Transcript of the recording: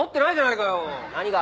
何が？